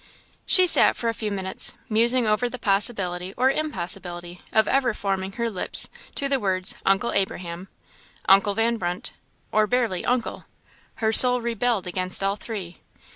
She sat for a few minutes, musing over the possibility or impossibility of ever forming her lips to the words "Uncle Abraham," "Uncle Van Brunt," or barely "uncle;" her soul rebelled against all three.